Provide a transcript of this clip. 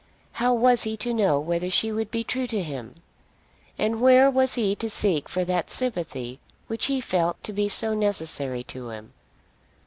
How was he to know whether she would be true to him? And where was he to seek for that sympathy which he felt to be so necessary to him?